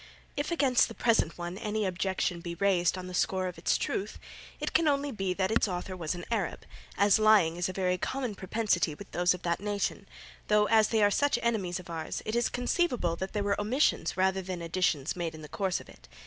If against the present one any objection be raised on the score of its truth, it can only be that its author was an Arab, as lying is a very common propensity with those of that nation; though, as they are such enemies of ours, it is conceivable that there were omissions rather than additions made in the course of it.